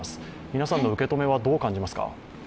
皆さんの受け止めはどう感じますか？